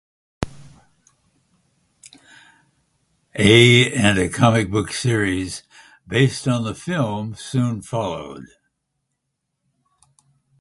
A and a comic-book series based on the film soon followed.